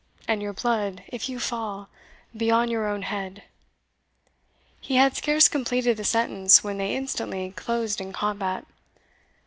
and your blood, if you fall, be on your own head." He had scarce completed the sentence when they instantly closed in combat.